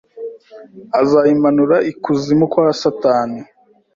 Azayimanura ikuzimu kwa satani